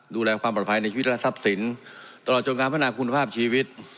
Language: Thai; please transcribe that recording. ดูแลความปลอดภัยในชีวิตและทรัพย์สินตลอดจนการพัฒนาคุณภาพชีวิต